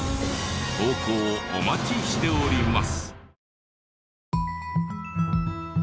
投稿お待ちしております。